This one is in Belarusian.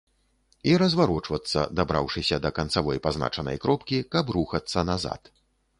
І разварочвацца, дабраўшыся да канцавой пазначанай кропкі, каб рухацца назад.